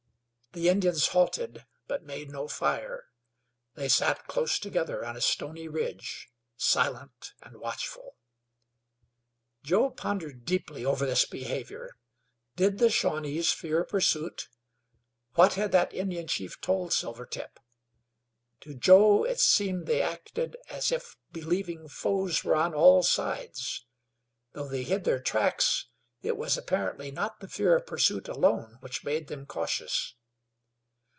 The Indians halted, but made no fire; they sat close together on a stony ridge, silent and watchful. Joe pondered deeply over this behavior. Did the Shawnees fear pursuit? What had that Indian chief told Silvertip? To Joe it seemed that they acted as if believing foes were on all sides. Though they hid their tracks, it was, apparently, not the fear of pursuit alone which made them cautious.